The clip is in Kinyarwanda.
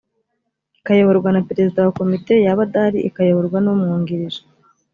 ikayoborwa na perezida wa komite yaba adahari ikayoborwa n’umwungirije